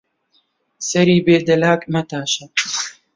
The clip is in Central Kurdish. سەری بێ دەلاک مەتاشە